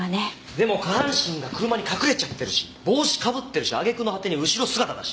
でも下半身が車に隠れちゃってるし帽子被ってるし揚げ句の果てに後ろ姿だし。